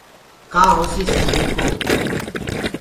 ڪآ هوسيٚ سنڌي ڪو